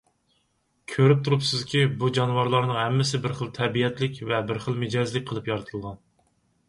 كۆرۈپ تۇرۇپسىزكى، بۇ جانىۋارلارنىڭ ھەممىسى بىر خىل تەبىئەتلىك ۋە بىر خىل مىجەزلىك قىلىپ يارىتىلغان.